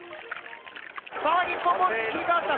さあ日本ボールに切り替わった。